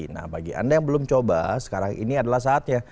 nah bagi anda yang belum coba sekarang ini adalah saatnya